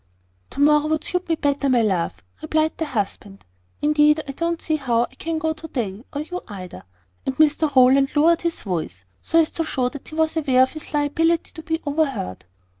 "To morrow would suit me better, my love," replied the husband. "Indeed I don't see how I can go to day, or you either." And Mr Rowland lowered his voice, so as to show that he was aware of his liability to be overheard.